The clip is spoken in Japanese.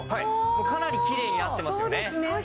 かなりきれいになってますよね。